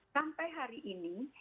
sampai hari ini